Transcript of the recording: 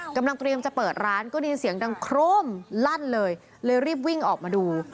กำลังเตรียมจะเปิดร้านก็ได้ยินเสียงดังโครมลั่นเลยเลยรีบวิ่งออกมาดู